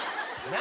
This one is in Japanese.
何？